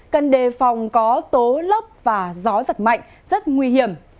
cần đề phòng có tố lốc và gió giật mạnh rất nguy hiểm